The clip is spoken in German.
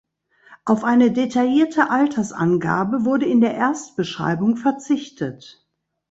Auf eine detaillierte Altersangabe wurde in der Erstbeschreibung verzichtet.